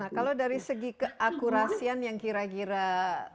nah kalau dari segi keakurasian yang kira kira